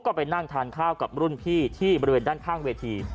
ก็ไปนั่งทานข้าวกับรุ่นพี่ที่บริเวณด้านข้างเวที